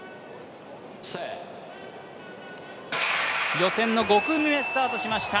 予選の５組目スタートしました。